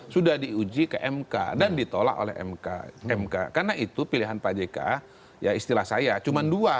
sudah diuji ke mk dan ditolak oleh mk karena itu pilihan pak jk ya istilah saya cuma dua